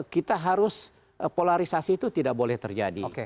kita harus polarisasi itu tidak boleh terjadi